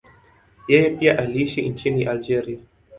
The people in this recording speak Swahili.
Yeye pia aliishi nchini Algeria.